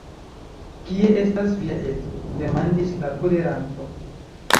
Kie estas via edzo!? demandis la koleranto.